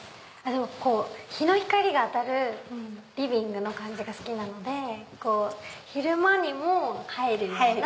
日の光が当たるリビングの感じが好きなので昼間にも映えるような。